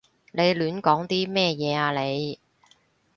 你亂講啲乜嘢啊你？